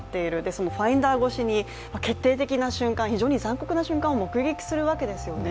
そのファインダー越しに決定的な瞬間、非常に残酷な瞬間を目撃するわけですよね。